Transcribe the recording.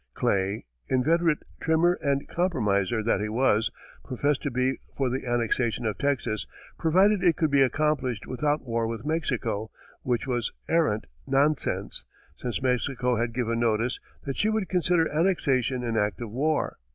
Clay, inveterate trimmer and compromiser that he was, professed to be for the annexation of Texas, provided it could be accomplished without war with Mexico, which was arrant nonsense, since Mexico had given notice that she would consider annexation an act of war.